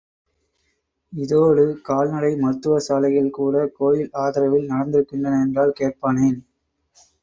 இதோடு கால்நடை மருத்துவசாலைகள் கூட கோயில் ஆதரவில் நடந்திருக்கின்றன என்றால் கேட்பானேன்.